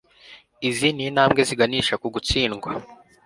Izi nintambwe ziganisha ku gutsindwa